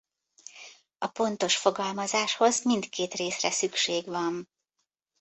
A pontos fogalmazáshoz mindkét részre szükség van.